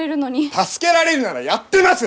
助けられるならやってます！